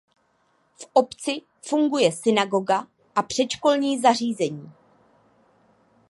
V obci funguje synagoga a předškolní zařízení.